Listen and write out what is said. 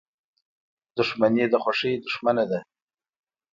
• دښمني د خوښۍ دښمنه ده.